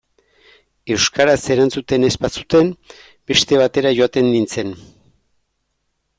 Euskaraz erantzuten ez bazuten, beste batera joaten nintzen.